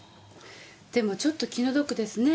でもちょっと気の毒ですね。